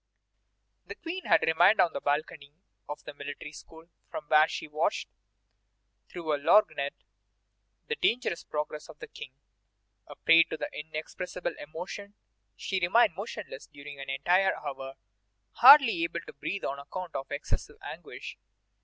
The Queen had remained on the balcony of the Military School. From there she watched through a lorgnette the dangerous progress of the King. A prey to inexpressible emotion, she remained motionless during an entire hour, hardly able to breathe on account of excessive anguish.